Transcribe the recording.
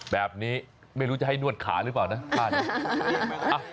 แบบนี้ไม่รู้จะให้นวดขาหรือเปล่านะ